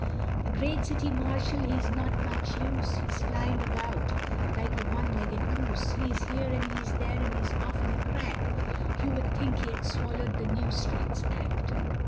The great City Marshall, he is not much use, He is flying about like a one legged goose; He is here and he's there, and he's off in a crack, You would think he had swallowed the New Streets Act.